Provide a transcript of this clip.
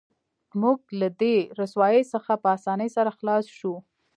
موږ له دې رسوایۍ څخه په اسانۍ سره خلاص شو